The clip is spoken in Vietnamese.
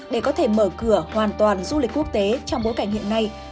để có thể mở cửa hoàn toàn du lịch quốc tế trong bối cảnh hiện nay